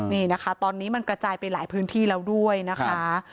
นี่นะคะตอนนี้มันกระจายไปหลายพื้นที่แล้วด้วยนะคะ